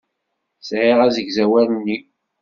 Sɛiɣ asegzawal-nni.